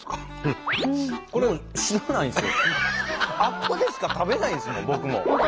あっこでしか食べないんですもん